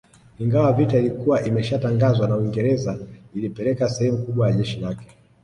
Ingawa vita ilikuwa imeshatangazwa na Uingereza ilipeleka sehemu kubwa ya jeshi lake